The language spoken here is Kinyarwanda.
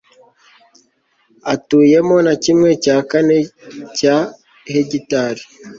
atuyemo na kimwe cya kane cya hegitari